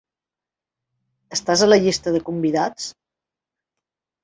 Estàs a la llista de convidats?